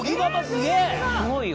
すごいよ。